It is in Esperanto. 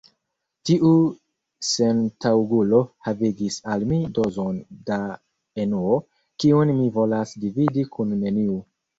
Tiu sentaŭgulo havigis al mi dozon da enuo, kiun mi volas dividi kun neniu.